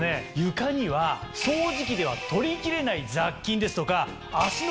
床には掃除機では取りきれない雑菌ですとか。